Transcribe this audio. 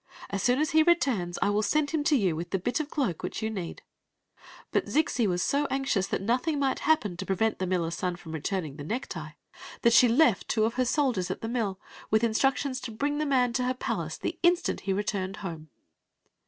As soon as he returns I will send him to you with the bit of the cloak which you need." But Zixi was so anxious that nothing might hap pen to prevent the millers son from returning the Story of the Magic Cloak 269 necktie, that she left two of her soldiers at the mill, with instructions to bring the man to her palace the instant he returned home.